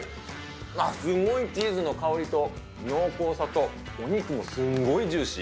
あっ、すごいチーズの香りと、濃厚さと、お肉もすごいジューシー。